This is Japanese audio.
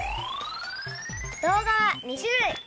動画は２種類。